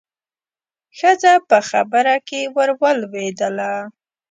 ښځه په خبره کې ورولوېدله.